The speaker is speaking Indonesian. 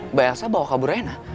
mbak elsa bawa kabur rena